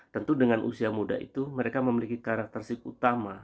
tentu dengan usia muda itu mereka memiliki karakteristik utama